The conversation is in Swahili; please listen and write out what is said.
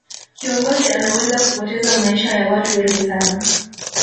kiongozi anaweza kupoteza maisha ya watu wengi sana